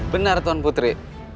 benar tuan putri